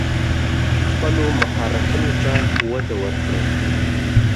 خپلو مهارتونو ته وده ورکړئ.